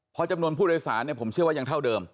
พอจำนวนผู้โดยสารผมเชื่อว่ายังเท่าเดิม